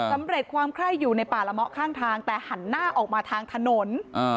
สำเร็จความไคร้อยู่ในป่าละเมาะข้างทางแต่หันหน้าออกมาทางถนน